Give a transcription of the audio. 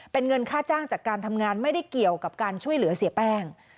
เป็นเงินค่าจ้างจากการทำงานไม่ได้เกี่ยวกับการช่วยเหลือเสียแป้ง